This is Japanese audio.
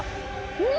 うん！